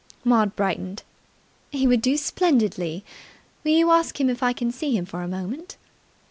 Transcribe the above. Maud brightened. "He would do splendidly. Will you ask him if I can see him for a moment?"